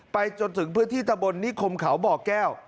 ไปจนถึงพื้นที่ตะบนนิคมเขาบ่อแก้ว